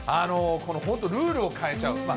この本当、ルールを変えちゃう。